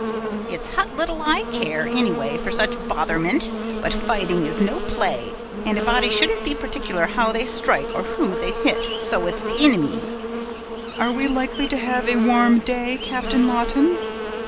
"It's hut little I care, anyway, for such botherment; but fighting is no play, and a body shouldn't be particular how they strike, or who they hit, so it's the inimy." "Are we likely to have a warm day, Captain Lawton?"